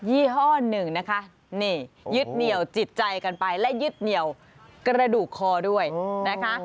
ี่ห้อหนึ่งนะคะนี่ยึดเหนียวจิตใจกันไปและยึดเหนียวกระดูกคอด้วยนะคะ